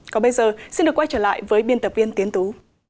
còn bây giờ xin được quay trở lại với biên tập viên tiến tú